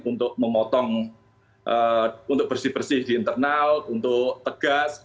untuk memotong untuk bersih bersih di internal untuk tegas